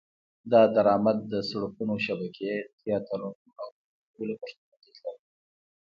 دا درامد د سرکونو شبکې، تیاترونه او اردو لګښتونو ته تلل.